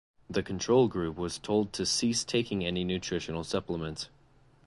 The control group was told to cease taking any nutritional supplements.